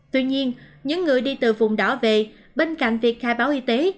tuy nhiên những người đi từ vùng đỏ về bên cạnh việc khai báo y tế